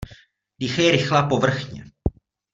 Dýchej rychle a povrchně.